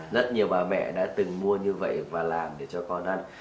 rất nhiều bà mẹ đã từng mua như vậy và làm để cho con ăn